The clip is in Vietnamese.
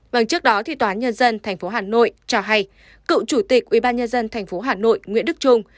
vâng trước đó thì tòa án nhân dân tp hà nội cho hay cựu chủ tịch ubnd tp hà nội nguyễn đức trung